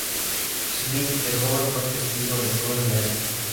Sly de joven fue testigo de todo el evento.